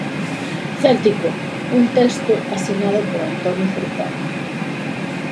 Céltico, un texto asinado por Antonio Portela.